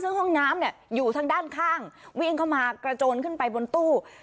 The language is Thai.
ซึ่งห้องน้ำเนี่ยอยู่ทางด้านข้างวิ่งเข้ามากระโจนขึ้นไปบนตู้